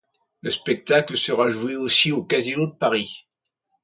Le spectacle sera joué aussi au Casino de Paris.